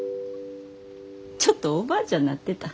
ちょっとおばあちゃんなってた。